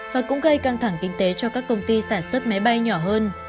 và cũng gây căng thẳng kinh tế cho các công ty sản xuất máy bay nhỏ hơn